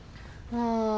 ああ。